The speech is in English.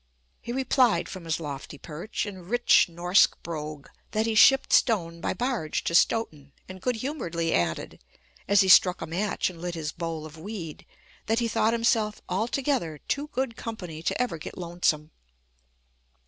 He replied from his lofty perch, in rich Norsk brogue, that he shipped stone by barge to Stoughton, and good humoredly added, as he struck a match and lit his bowl of weed, that he thought himself altogether too good company to ever get lonesome.